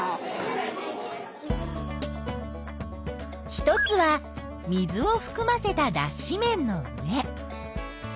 一つは水をふくませただっし綿の上。